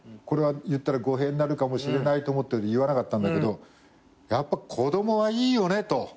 これは言ったら語弊になるかもしれないと思って言わなかったんだけどやっぱ子供はいいよねと。